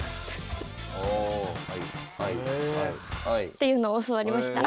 ５６７８。っていうのを教わりました。